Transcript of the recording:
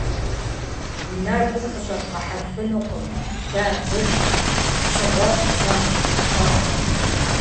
Уи нэгум къыщӀэбгъэхьэфынукъым дэ абы щыгъуэ зэщхь дыхъуар.